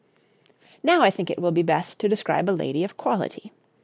}] Now I think it will be best to describe a lady of quality.